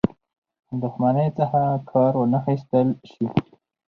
دښمنۍ څخه کار وانه خیستل شي.